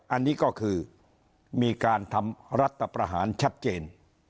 อันนี้ก็คือมีการทำรัฐประหารชัดเจน